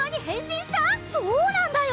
そうなんだよ！